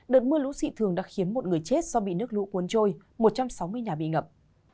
đợt mưa lũ xị thường đã khiến một người chết do bị nước lũ cuốn trôi một trăm sáu mươi nhà bị ngập